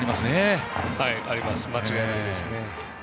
間違いないですね。